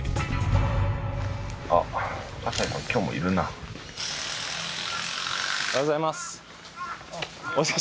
そしておはようございます。